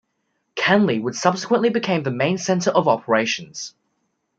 Canley would subsequently become the main centre of operations.